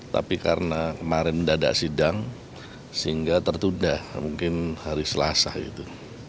tapi karena kemarin tidak ada sidang sehingga tertunda mungkin hari selasa itu